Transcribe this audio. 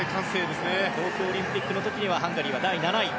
東京オリンピックの時にはハンガリーは第７位。